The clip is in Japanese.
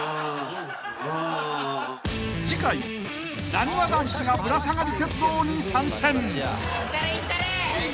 ［次回なにわ男子がぶらさがり鉄道に参戦］